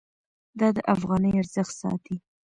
دا د افغانۍ ارزښت ساتي.